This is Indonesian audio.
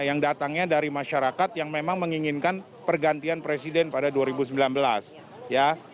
yang datangnya dari masyarakat yang memang menginginkan pergantian presiden pada dua ribu sembilan belas ya